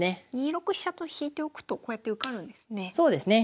２六飛車と引いておくとこうやって受かるんですね。